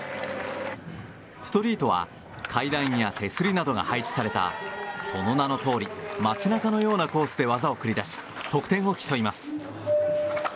ストリートは階段や手すりなどが配置されたその名のとおり街中のようなコースで技を繰り出し得点を競います。